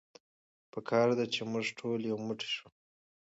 په کار ده چې مونږ ټول يو موټی شو.